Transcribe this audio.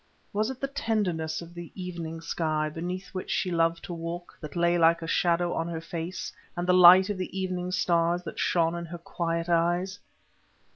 Was it the tenderness of the evening sky beneath which she loved to walk, that lay like a shadow on her face, and the light of the evening stars that shone in her quiet eyes?